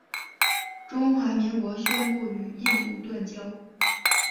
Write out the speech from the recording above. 中华民国宣布与印度断交。